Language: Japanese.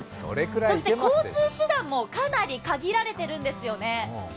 そして、交通手段もかなり限られているんですよね。